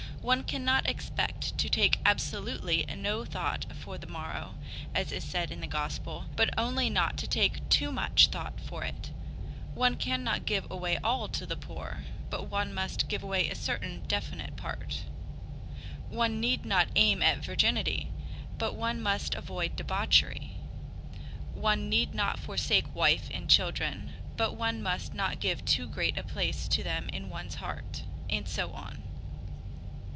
"One cannot expect to take absolutely no thought for the morrow, as is said in the Gospel, but only not to take too much thought for it; one cannot give away all to the poor, but one must give away a certain definite part; one need not aim at virginity, but one must avoid debauchery; one need not forsake wife and children, but one must not give too great a place to them in one's heart," and so on.